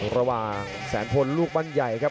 ระหว่างแสนพลลูกบ้านใหญ่ครับ